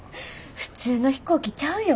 普通の飛行機ちゃうよ。